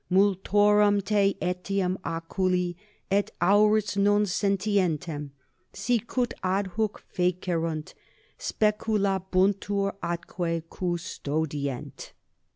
Multorum te etiam oculi et aures non sentientem, sicut adhuc fecerunt, speculabuntur atque custodient.